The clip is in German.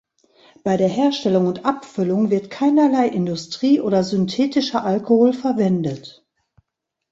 Bei der Herstellung und Abfüllung wird keinerlei Industrie- oder synthetischer Alkohol verwendet.